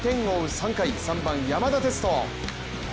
３回３番・山田哲人。